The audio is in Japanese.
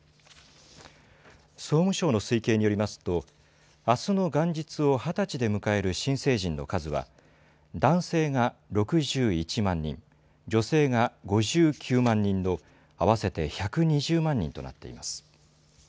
総務省の推計によりますとあすの元日を二十歳で迎える新成人の数は男性が６１万人、女性が５９万人の合わせて１２０万人となっています。